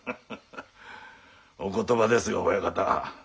お言葉ですが親方。